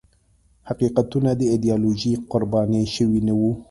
حقیقتونه د ایدیالوژیو قرباني شوي نه وي.